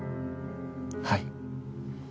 はい。